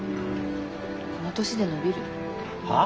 この年で伸びる？はあ？